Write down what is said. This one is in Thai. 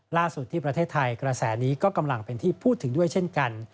ที่ประเทศไทยกระแสนี้ก็กำลังเป็นที่พูดถึงด้วยเช่นกัน